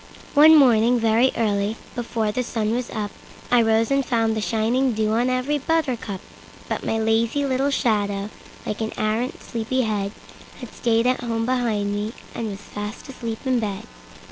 One morning, very early, before the sun was up,I rose and found the shining dew on every buttercup; But my lazy little shadow, like an arrant sleepy head, Had stayed at home behind me and was fast asleep in bed.